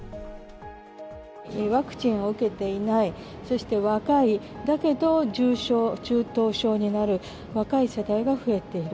ワクチンを受けていない、そして若い、だけど重症、中等症になる若い世代が増えている。